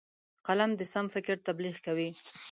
قلم د سم فکر تبلیغ کوي